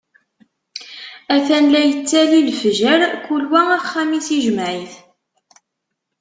Atan la yettali lefjer, kul wa axxam-is ijmeɛ-it.